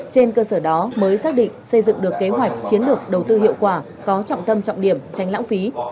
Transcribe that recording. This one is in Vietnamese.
trên cơ sở đó mới xác định xây dựng được kế hoạch chiến lược đầu tư hiệu quả có trọng tâm trọng điểm tránh lãng phí